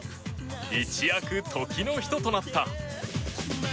一躍、時の人となった。